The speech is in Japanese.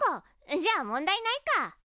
じゃあ問題ないか。